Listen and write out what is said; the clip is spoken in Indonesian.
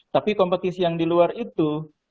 tapi kompetisi yang di luar itu